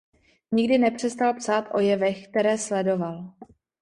Nikdy nepřestal psát o jevech, které sledoval.